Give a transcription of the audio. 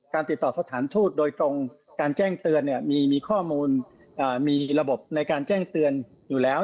ติดต่อสถานทูตโดยตรงการแจ้งเตือนเนี่ยมีข้อมูลมีระบบในการแจ้งเตือนอยู่แล้ว